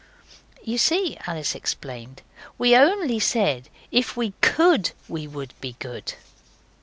'You see,' Alice explained, 'we only said if we COULD we would be good.